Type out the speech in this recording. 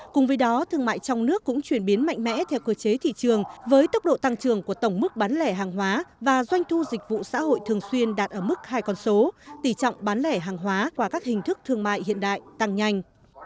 cùng với đó thương mại trong nước cũng chuyển biến mạnh mẽ theo cơ chế thị trường với tốc độ tăng trưởng của tổng mức bán lẻ hàng hóa và doanh thu dịch vụ xã hội thường xuyên đạt ở mức hai con số tỷ trọng bán lẻ hàng hóa qua các hình thức thương mại hiện đại tăng nhanh